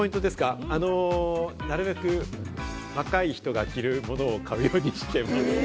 なるべく若い人が着るものを買うようにしてます。